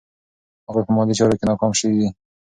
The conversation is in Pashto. هغوی په مالي چارو کې ناکام شوي دي.